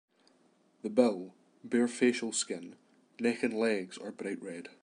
The bill, bare facial skin, neck and legs are bright red.